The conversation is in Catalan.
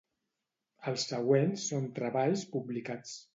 Els següents són treballs publicats.